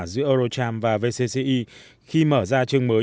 giữa eurocharm và vcci khi mở ra chương mới